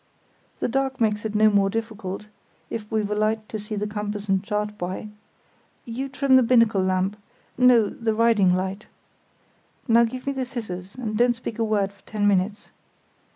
"The dark makes it no more difficult, if we've a light to see the compass and chart by. You trim the binnacle lamp—no, the riding light. Now give me the scissors, and don't speak a word for ten minutes.